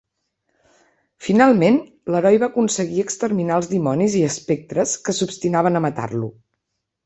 Finalment, l'heroi va aconseguir exterminar als dimonis i espectres que s'obstinaven a matar-ho.